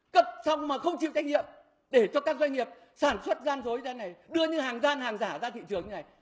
cấp xong mà không chịu trách nhiệm để cho các doanh nghiệp sản xuất gian rối ra này đưa như hàng gian hàng giả ra thị trường như này